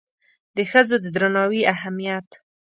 د ښځو د درناوي اهمیت